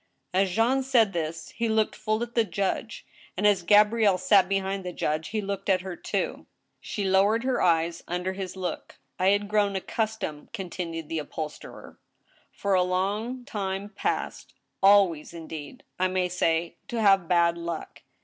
As Jean said this, he looked full at the judge, and, as Gabrielle sat behind the judge, he looked at her too. She lowered her eyes under his look. " I had grown accus tomed," continued the upholsterer, " for a long time past, always 13 X94 ^^^ STEEL HAMMER. indeed, I may say, to have bad luck.